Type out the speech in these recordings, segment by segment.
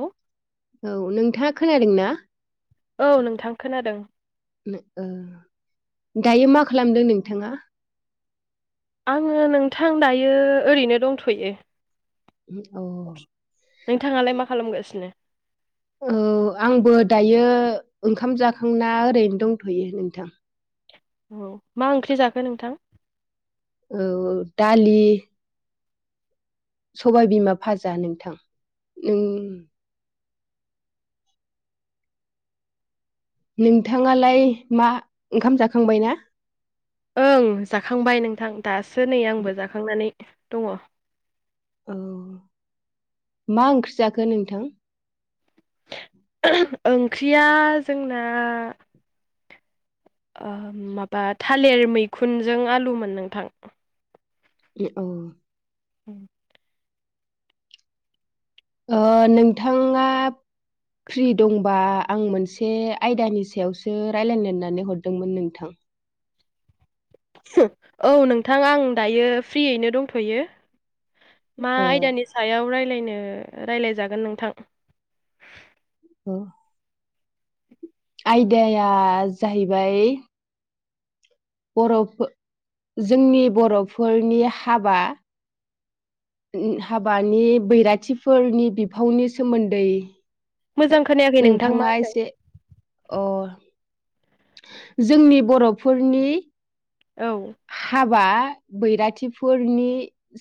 औ। औ नोंथाङा खोनादों ना? औ नोंथां खोनादों। नो ओ दायो मा खालामदों नोंथाङा? आङो नोंथां दायो ओरैनो दंथ'यो। ओम अ। नोंथाङालाय मा खालामगासिनो? औ आंबो दायो ओंखाम जाखांना ओरैनो दंथ'यो नोंथां। औ। मा ओंख्रि जाखो नोंथां? औ औ दालि सबाइ बिमा भाजा नोंथां नों नोंथाङालाय मा ओंखाम जाखांबाय ना? ओं जाखांबाय नोंथां दासो नै आंबो जाखांनानै दङ। औ मा ओंख्रि जाखो नोंथां? ओंख्रिया जोंना माबा थालिर मैखुनजों आलुमोन नोंथां। ए औ उ ओ नोंथाङा फ्रि दंबा आं मोनसे आयदानि सायावसो रायजलायलायनानै हरदोंमोन नोंथां। औ नोंथां आं दायो फ्रियैनो दंथ'यो। मा ओ आयदानि सायाव रायलायनो रायलायजागोन नोंथां। अह आयदाया जाहैबाय बर'फो जोंनि बर'फोरनि हाबा हाबानि बैराथिफोरनि बिफावनि सोमोन्दै मोजां खोनाया नोंथाङा एसे अह जोंनि बर'फोरनि औ हाबा बैराथिफोरनि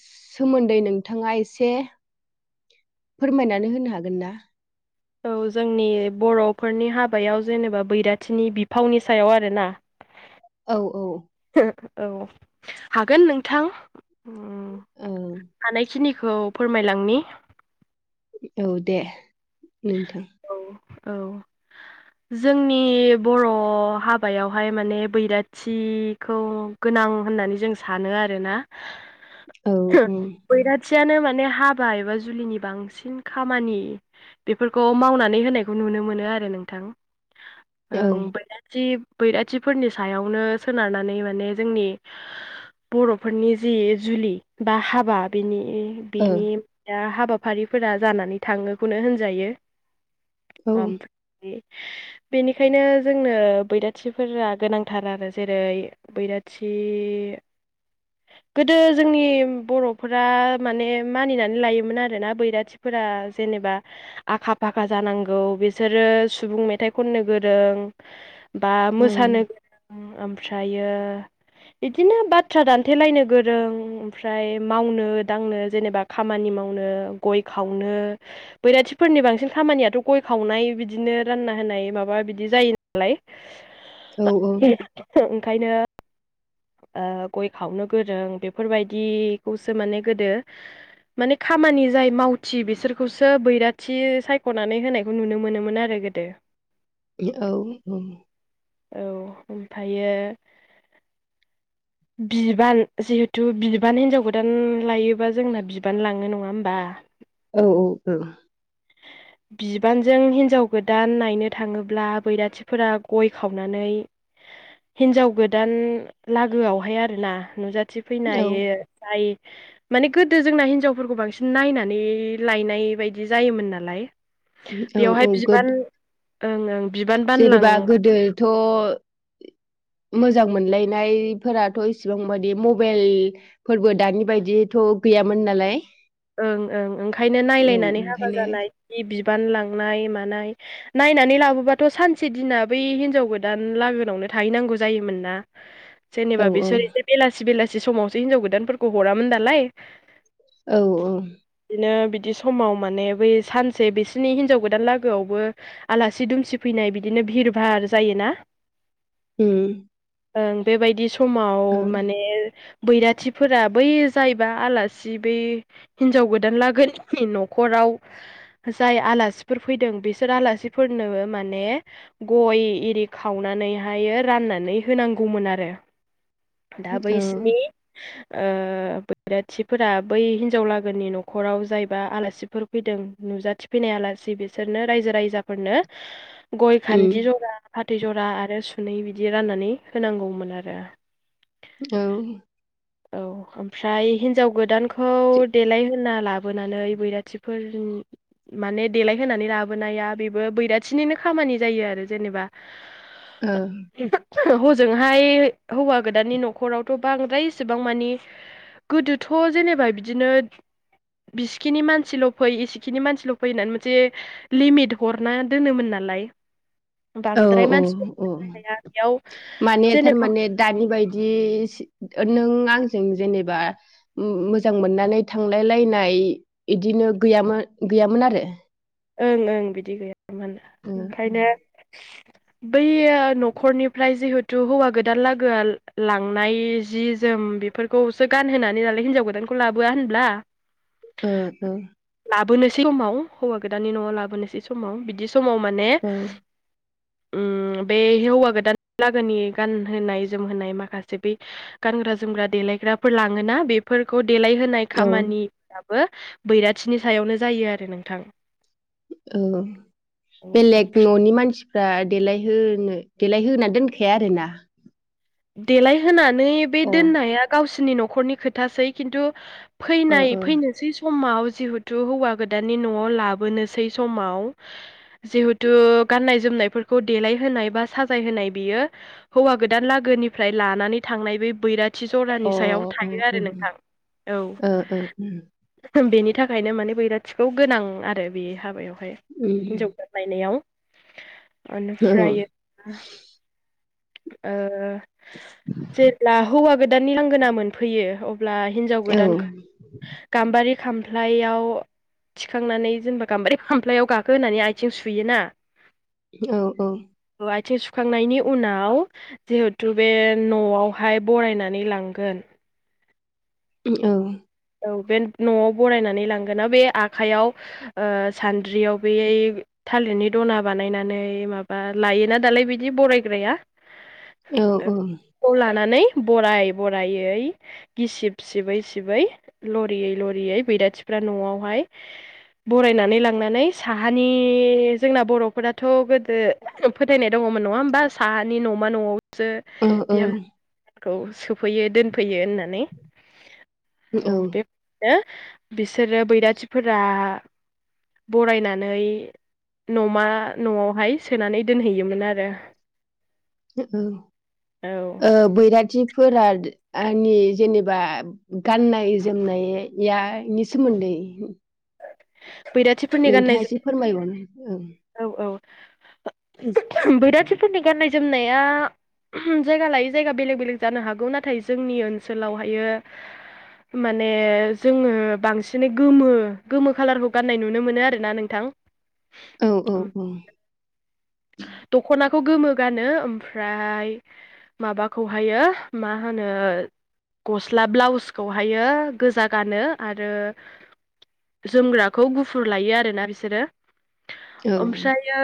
सोमोन्दै नोंथाङा एसे फोरमायनानै होनो हागोन ना? औ जोंनि बर'फोरनि हाबायाव जेनेबा बैराथिनि बिफावनि सायाव आरोना औ औ औ हागोन नोंथां‌ ओं हानायखिनिखौ फोरमायलांनि। औ दे नोंथां औ औ [unintelligible] जोंनि बर' हाबायावहाय माने बैराथिखौ गोनां होननानै जों सानो आरो ना। औ औ बैराथियानो माने हाबा एबा जुलिनि बांसिन खामानि बेफोरखौ मावनानै होनायखौ नुनो मोनो आरो नोंथां ओ जि बैराथिफोरनि सायावनो सोनारनानै माने जोंनि बर'फोरनि जि जुलि बा हाबा बेनि औ बेनि हाबाफारिफोरा जानानै थाङोखौनो होनजायो। औ [unintelligible] बेनिखायनो जोंनो बैराथिफोरा गोनांथार आरो जेरै बैराथि [unintelligible] गोदो जोंनि बर'फोरा माने मानिनानै लायोमोन आरोना बैराथिफोरा जेनेबा आखा फाखा जानांगौ बिसोरो सुबुं मेथाइ खननो गोरों बा औ मोसानो गोरों ओमफ्रायो बिदिनो बाथ्रा दानथेलायनो गोरों ओमफ्राय मावनो दांनो जेनेबा खामानि मावनो गय खावनो। बैराथिफोरनि बांसिन खामानियाथ' गय खावनाय बिदिनो रानना होनाय माबा बिदि जायो औ औ नालाय ओंखायनो ओ गय खावनो गोरों बेफोरबायदिखौसो माने गोदो माने खामानि जाय मावथि बिसोरखौसो सो बैराथि सायख'नानै होनायखौ नुनो मोनोमोन आरो गोदो। औ औ औ ओमफायो बिबान जिहेथु बिबान हिन्जाव गोदान लायोबा जोंना बिबान लाङो नङा होमबा। औ औ ओं। बिबानजों हिन्जाव गोदान नायनो थाङोब्ला बैराथिफोरा गय खावनानै हिनजाव गोदान लागोआवहाय आरो ना नुजाथिफैनो औ हायो। जायो माने गोदो जोंना हिनजावफोरखौ बांसिन नायनानै लायनाय बायदि जायोमोन ना नालाय औ बेवहाय औ गोद बिबान ओं ओं बिबान बानलां थ' मोजां मोनलायनायफोराथ' इसिबांबादि मबेइल फोरबो दानि बायदिथ' गैयामोन नालाय। ओं ओं ओंखायनो औ नायलायनानै हाबा ओंखायनो जानाय जि बिबान लांनाय मानाय। नायनानै लाबोबाथ' सानसे दिना बै हिनजाव गोदान लागोनावनो थाहैनांगौ जायोमोन ना। औ जेनेबा बिसोर एसे बेलासि बेलासि समावसो हिनजाव गोदानफोरखौ हरामोन दालाय। औ औ। बिदिनो बिदि समाव माने बै सानसे बिसोरनि हिनजाव गोदान लोगोआवबो आलासि दुमसि फैनाय बिदिनो भिर भार जायोना। उम। ओं बेबायदि समाव औ माने बैराथिफोरा बै जायबा आलासि बै हिनजाव गोदान लागोनिफाय न'खराव जाय आलासिफोर फैदों बेसोर आलासिफोरनो माने गय एरि खावनानैहायो राननानै होनांगौमोन आरो। दा औ बैसिनि ओ बैराथिफोरा बै हिन हिनजाव लागोनि न'खराव जायबा आलासिफोर फैदों नुजाथिफैनाय आलासि बेसोरनो रायजो रायजाफोरनो गय उम खान्दि जरा फाथै जरा आरो सुनै बिदि राननानै होनांगौमोन आरो। औ। औ ओमफ्राय हिन्जाव गोदानखौ देलायहोना लाबोनानै बैराथिफोरनि माने देलायहोनानै लाबोनाया बेबो बैराथिनिनो खामानि जायो आरो जेनेबा ओं। हजोंहाय हौवा गोदाननि न'खरावथ' बांद्राय एसेबां मानि गोदोथ' जेनेबा बिदिनो बिसिखिनि मानसिल' फै इसिखिनि मानसिल' फै होन्नानै मोनसे लिमिट हरना दोनोमोन नालाय। औ बांद्राय औ मानसिफोरा औ फैबा बेयाव माने जेनेबा थारमाने दानि बायदि जि नों आंजों जेनेबा मो-मोजां मोननानै थांलाय लायनाय इदिनो गैयामो गैयामोन आरो। ओं ओं बिदि गैयामोन ओ ओंखायनो बैओ न'खरनिफ्राय जिहेथु हौवा गोदान लागोआ लांनाय जि जोम फोरखौसो गानहोनानै नालाय हिनजाव गोदानखौ लाबोआ होनब्ला ओ ओ लाबोनोसै समाव हौवा गोदानानि न'आव लाबोनोसै समाव बिदि समाव माने ओ औ उ बे हौवा गोदान लागोनि गानहोनाय जोमहोनाय माखासे बे गानग्रा जोमग्रा देलायग्राफोर लाङोना बे फोरखौ देलायहोनाय औ खामानियाबो बैराथिनि सायावनो जायो आरो नोंथां। औ औ ओमफ्राय बेलेग न'नि मानसि फ्रा देलायहो देलायहा दोनखाया आरोना। देलायहोनानै बे अ दोननाया गावसिनि न'खरनि खोथासै खिन्थु अ फैनाय अ फैनोसै समाव जिहेथु हौवा गोदाननि न'आव लाबोनोसै समाव जिहेथु गाननाय जोमनायफोरखौ देलायहोनाय बा साजाय होनाय बियो हौवा गोदान लागोनिफ्राय लानानै थांनाय बे बैराथि थि जरानि ओ सायाव थायो आरो उम नोंथां औ बेनि थाखायनो माने बैराथिखौ गोनां आरो बे हाबायावहाय हिनजाव फोरमायनायाव ओनिफ्राय ओ जेब्ला हौवा गोदाननि लांगोना मोनफैयो ब्ला हिनजाव गोदान गाम्बारि खामफ्लायाव थिखांनानै जेनेबा गाम्बारि फामफ्लायाव गाखो होनानै आथिं सुयोना औ औ औ आथिं सुखांनायनि उनाव आव जिहेथु बे न'आवहाय बरायनानै लांगोन उ औ औ बे न'आव बरायनानै लांगोन ना बे आखायाव ओ सान्द्रियाव बे थालिरनि दना बानायनानै माबा लायोना दालाय बिदि बरायग्राया औ औ खौ लानानै बराय बरायै गिसिब सिबै सिबै लरियै लरियै बैराथिफ्रा न'आवहाय बरायनानै लांनानै साहानि जोंना बर'फोराथ' गोदो फोथायनाय दङमोन नङा होमबा साहानि न'मा न'आवसो ओ ओ ओंाम खौ सोफैयो दोनफैयो होननानै औ बे ओ बिसोरो बैराथिफोरा बरायनानै न'मा न'आवहाय सोनानै दोनहैयोमोन आरो औ औ ओ बैराथिफोरा नि जेनेबा गाननाय जोमनाया नि सोमोन्दै बैराथि नोंथाङा एसे फोरमायबावनो औ औ औ बैराथिफोरनि गाननाय जोमनाया उम जायगा लायै जायगा बेलेग बेलेग जानो हागौ नाथाय जोंनि ओनसोलावहायो माने जोङो बांसिनै गोमो गोमो खाालारखौ गान्नाय नुनो मोनो आरो ना नोंथां औ औ औ दख'नाखौ गोमो गानो ओमफ्राय माबाखौहायो मा होनो गस्ला ब्लाउसखौहायो गोजा गानो आरो जोमग्राखौ गुफुर लायो आरोना बिसोरो औ ओमफ्रायो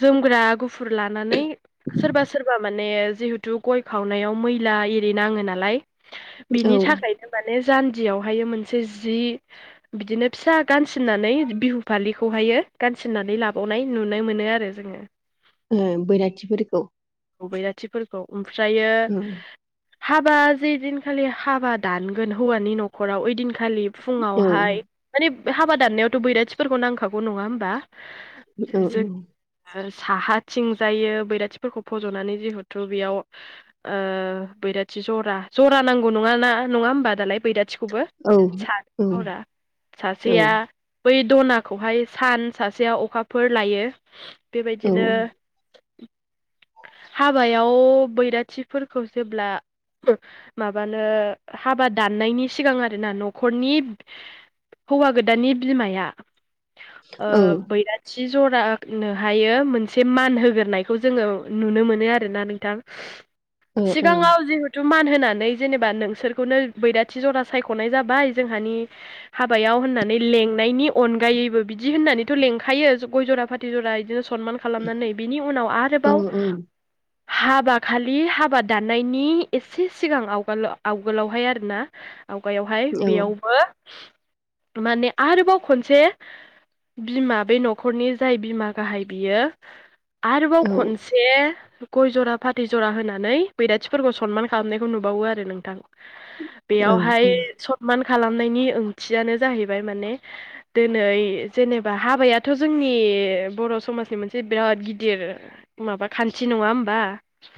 जोमग्रा गुफुर लानानै सोरबा सोरबा माने जिहेतु गय खावनायाव मैला एरि नाङो नालाय औ बिनि ओ थाखायनो माने जान्जियावहाय मोनसे जि बिदिनो फिसा गान सिननानै बिहु फालिखौहायो गान सिननानै लाबो गनाय नुनाय मोनो आरो जोङो। बैराथिफोरखौ बैराथिफोरखौ ओमफ्रायो औ हाबा जेदिनखालि हाबा दानगोन हौवानि न'खराव ओइदिनखालि खालि औ फुङावहाय माने हाबा दाननायावथ' बैराथिफोरखौ नांखागौ नङा होमबा। औ जो औ साहा थिं जायो बैराथिफोरखौ फज'नानै जिहेथु बेयाव ओ बैराथि जरा जरा नांगौ नङा ना नङा होमबा दालाय बैराथिखौबो। औ सा औ नरा औ सासिया [inaudible] बै दनाखौहाय सान सासेयाव अखाफोर लायो ओ बेबायदिनो हाबायाव बैराथिफोरखौ जेब्ला ओ माबानो हाबा दाननायनि सिगां आरोना न'खरनि हौवा गोदाननि बिमाया ओ बैराथि जरानोहायो मोनसे मान होग्रायखौ जोङो नुनो मोनो आरोना नोंथां ओ सिगाङाव जिहु तु मान होनानै जेनेबा नोंसोरखौनो बैराथि जरा सायख'नाय जाबाय जोंहानि हाबायाव होननानै लेंनायनि अनगायैबो बिदि होननानैथ' लेंखायो गय जरा फाथि जरा बिदिनो सनमानानै खालामनानै बिनि उनाव औ आरोबाव [inaudible] हाबा खालि हाबा दाननायनि एसे सिगां आवगोल आवगोलावहाय आरोना आवगायावहाय बेयावबो माने आरोबाव खनसे बिमा बे न'खरनि जाय बिमा गाहाय बियो आरोबाव औ खनसे से गय जरा फाथै जरा होनानै बैराथिफोरखौ सनमान खालामनायखौ नुबावो आरो नोंथां। [inaudible] बेयावहाय ओ सनमान खालामनायनि ओंथियानो जाहैबाय माने दिनै जेनेबा हाबायाथ' जोंनि बर' समाजनि मोनसे बिराद गिदिर माबा खान्थि नङा होमबा।